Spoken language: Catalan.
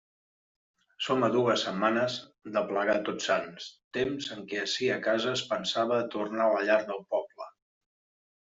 Som a dues setmanes d'aplegar a Tots Sants, temps en què ací a casa es pensava a tornar a la llar del poble.